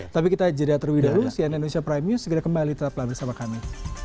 tapi kita jadilah terwida dulu cnn indonesia prime news segera kembali tetaplah bersama kami